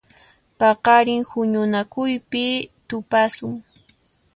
Paqarin huñunakuypi tupasun.